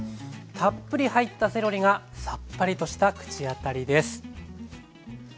たっぷり入ったセロリがさっぱりとした口当たりです。